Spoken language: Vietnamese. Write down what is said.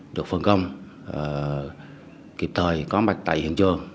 được phân công kịp thời có mặt tại hiện trường